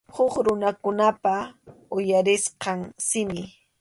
Huk runakunapa uyarisqan simi.